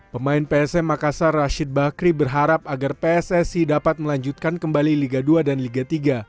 pemain psm makassar rashid bakri berharap agar pssi dapat melanjutkan kembali liga dua dan liga tiga